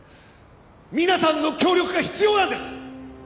「皆さんの協力が必要なんです！」